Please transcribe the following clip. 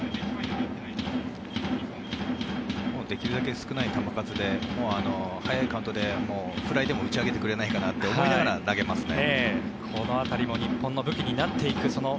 できるだけ少ない球数で早いカウントでフライでも打ち上げてくれないかなと思いながら投げますね。